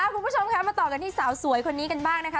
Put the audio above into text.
คุณผู้ชมค่ะมาต่อกันที่สาวสวยคนนี้กันบ้างนะคะ